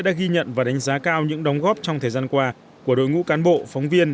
đã ghi nhận và đánh giá cao những đóng góp trong thời gian qua của đội ngũ cán bộ phóng viên